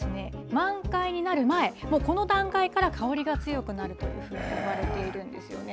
満開になる前この段階から香りが強くなるというふうに言われているんですね。